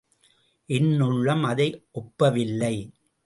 என் உள்ளம் அதை ஒப்பவில்லை.